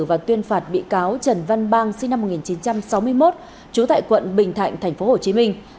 và tuyên phạt bị cáo trần văn bang sinh năm một nghìn chín trăm sáu mươi một trú tại quận bình thạnh thành phố hồ chí minh